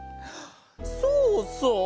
そうそう！